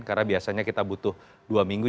karena biasanya kita butuh dua minggu